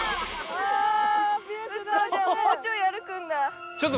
じゃあもうちょい歩くんだ。